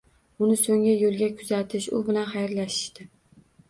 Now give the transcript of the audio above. Uni soʻnggi yoʻlga kuzatish, u bilan xayrlashishdi.